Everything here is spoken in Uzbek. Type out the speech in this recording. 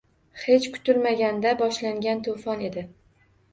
Hech kutilmaganda boshlangan to’fon edi.